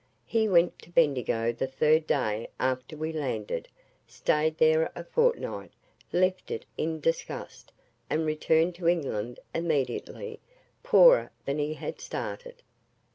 He went to Bendigo the third day after we landed, stayed there a fortnight, left it in disgust, and returned to England immediately poorer than he had started.